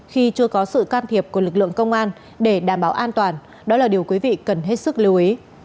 khi chưa có sự can thiệp của lực lượng công an để đảm bảo an toàn đó là điều quý vị cần hết sức lưu ý